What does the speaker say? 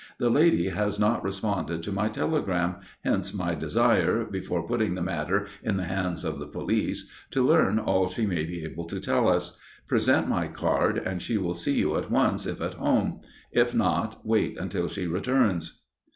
The lady has not responded to my telegram, hence my desire, before putting the matter in the hands of the police, to learn all she may be able to tell us. Present my card, and she will see you at once if at home. If not, wait until she returns."